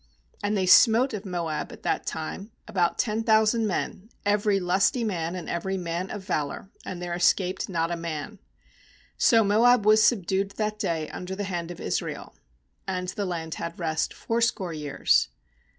29And they smote of Moab at that time about ten thousand men, every lusty man, and every man of valour; and there escaped not a man. 30So Moab was subdued that day under the hand of Israel. And the land had rest fourscore years.